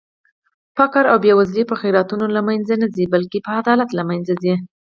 فقر او بې وزلي په خيراتونو لمنخه نه ځي بلکې په عدالت لمنځه ځي